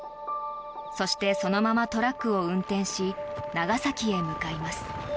そしてそのままトラックを運転し長崎へ向かいます。